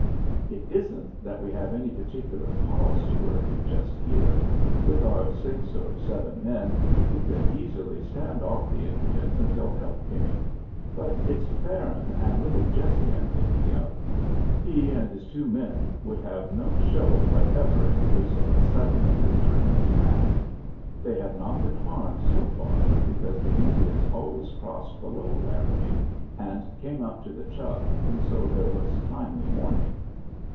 "It isn't that we have any particular cause to worry just here. With our six or seven men we could easily stand off the Indians until help came, but it's Farron and little Jessie I'm thinking of. He and his two men would have no show whatever in case of a sudden and determined attack. They have not been harmed so far, because the Indians always crossed below Laramie and came up to the Chug, and so there was timely warning.